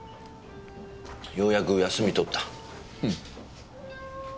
ようやく休み取った。